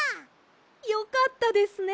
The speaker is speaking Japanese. よかったですね。